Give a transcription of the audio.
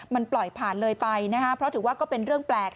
มันปล่อยผ่านเลยไปนะฮะเพราะถือว่าก็เป็นเรื่องแปลก